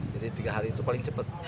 jadi tiga hari itu paling cepat